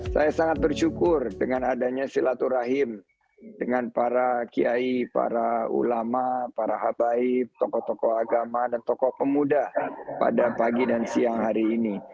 saya sangat bersyukur dengan adanya silaturahim dengan para kiai para ulama para habaib tokoh tokoh agama dan tokoh pemuda pada pagi dan siang hari ini